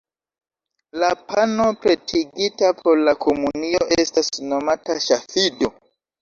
La pano pretigita por la komunio estas nomata "ŝafido".